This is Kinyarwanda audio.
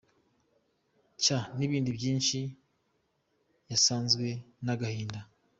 cya n’ibindi byinshi Yasazwe n’agahinda.